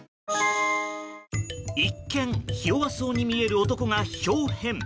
一見ひ弱そうに見える男が豹変。